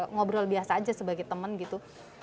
ngobrol biasa aja sebagai temen gitu